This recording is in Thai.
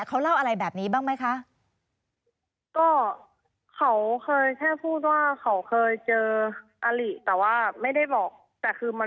เขาเล่าอะไรแบบนี้บ้างไหมคะ